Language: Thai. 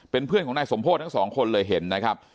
เป็นเพื่อนของนายสมโพธิทั้งสองคนเลยเห็นนะครับ